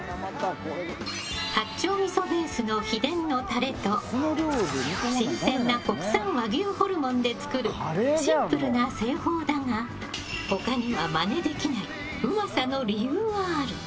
八丁みそベースの秘伝のタレと新鮮な国産和牛ホルモンで作るシンプルな製法だが他にはまねできないうまさの理由がある。